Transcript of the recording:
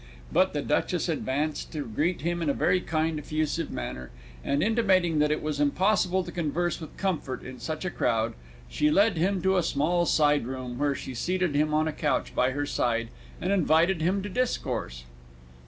But the Duchess advanced to greet him in a very kind, effusive manner, and, intimating that it was impossible to converse with comfort in such a crowd, she led him to a small side room, where she seated him on a couch by her side and invited him to discourse.